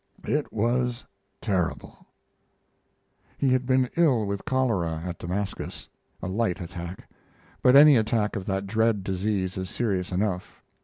It was terrible. He had been ill with cholera at Damascus, a light attack; but any attack of that dread disease is serious enough.